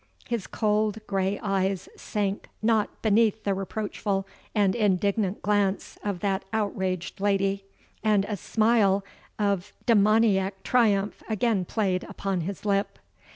His cold, grey eyes sank not beneath the reproachful and indignant glance of that outraged lady; and a smile of demoniac triumph again played upon his lip.